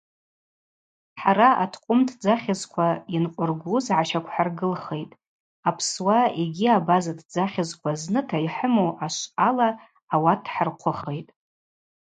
Хӏара аткъвым тдзахьызта йынкъвыргуз гӏащаквхӏыргылхитӏ, апсуа йгьи абаза тдзахьызква зныта йхӏыму ашвъала ауат хӏырхъвыхитӏ.